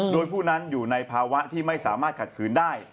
โดยผู้นั้นอยู่ในภาวะที่ไม่สามารถขัดขืนได้